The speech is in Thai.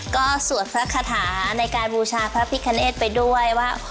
ก็สวดพระคาถาในการบูชาพระพิคเนตไปด้วยว่า